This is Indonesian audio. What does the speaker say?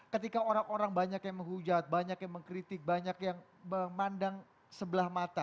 ketika orang orang banyak yang menghujat banyak yang mengkritik banyak yang memandang sebelah mata